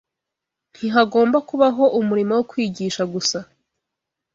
Ntihagomba kubaho umurimo wo kwigisha gusa